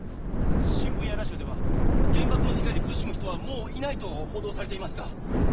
新聞やラジオでは原爆の被害で苦しむ人はもういないと報道されていますが。